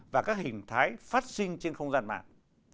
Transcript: và các hình thái phát sinh trên không gian mạng